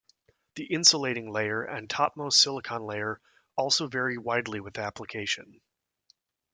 The insulating layer and topmost silicon layer also vary widely with application.